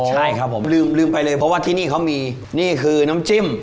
ใช่ครับผมลืมลืมไปเลยเพราะว่าที่นี่เขามีนี่คือน้ำจิ้ม